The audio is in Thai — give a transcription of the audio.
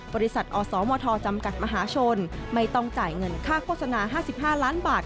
บริษัทอสมทจำกัดมหาชนไม่ต้องจ่ายเงินค่าโฆษณา๕๕ล้านบาท